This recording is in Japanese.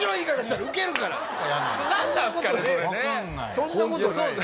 そんなことないよ。